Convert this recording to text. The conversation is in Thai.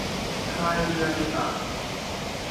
พายเรือในอ่าง